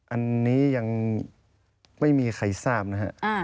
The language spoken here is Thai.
อันนี้ยังไม่มีใครทราบนะฮะ